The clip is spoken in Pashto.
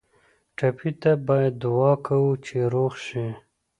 ټپي ته باید دعا کوو چې روغ شي.